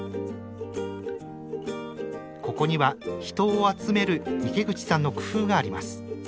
ここには人を集める池口さんの工夫があります。